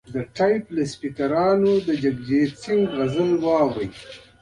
د ټیپ له سپیکرونو جګجیت سنګ غزلې واوري.